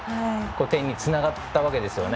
点につながったわけですよね。